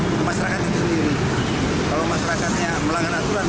kalau masyarakatnya melanggar aturan maka mereka akan melakukan penyelenggaraan